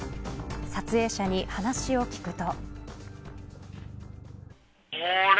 撮影者に話を聞くと。